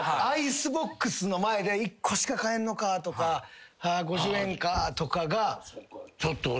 アイスボックスの前で１個しか買えんのかとか５０円かとかが。